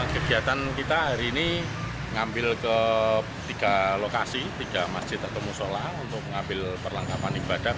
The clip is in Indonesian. kegiatan kita hari ini ngambil ke tiga lokasi tiga masjid atau musola untuk mengambil perlengkapan ibadah